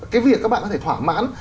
cái việc các bạn có thể thỏa mãn